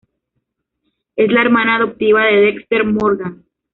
Es la hermana adoptiva de Dexter Morgan.